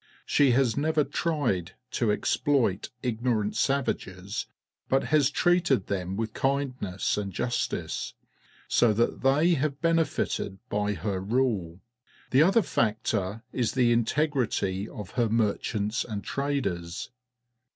She has never tried to exploit ignorant savages, but has treated them with kindness and justice, so that they have bene fited by her rule. The other factor is the in tegrity of her merchants and traders.